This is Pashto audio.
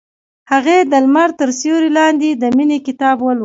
هغې د لمر تر سیوري لاندې د مینې کتاب ولوست.